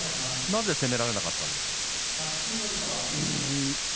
なぜ攻められなかったんでしょうか。